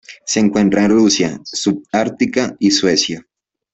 Se encuentra en Rusia sub-ártica y Suecia.